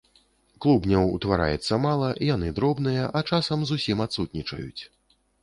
Клубняў утвараецца мала, яны дробныя, а часам зусім адсутнічаюць.